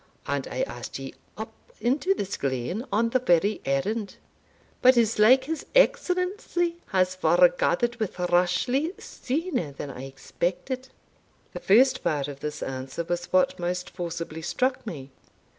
And I asked ye up into this glen on the very errand. But it's like his Excellency has foregathered wi' Rashleigh sooner than I expected." The first part of this answer was what most forcibly struck me.